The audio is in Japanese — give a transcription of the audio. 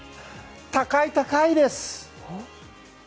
高い高いです！